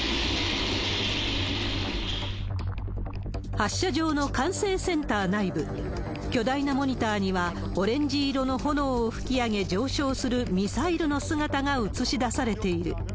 発射場の管制センター内部、巨大なモニターには、オレンジ色の炎を噴き上げ上昇するミサイルの姿が映し出されている。